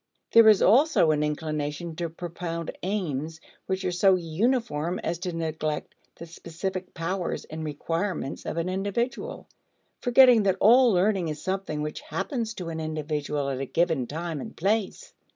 There is also an inclination to propound aims which are so uniform as to neglect the specific powers and requirements of an individual, forgetting that all learning is something which happens to an individual at a given time and place.